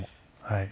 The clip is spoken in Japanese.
はい。